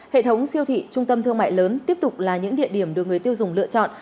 hệ thống siêu thị trung tâm thương mại lớn tiếp tục là những địa điểm được người tiêu dùng lựa chọn